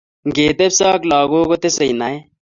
Ng'etepso ak lakok kotesei naet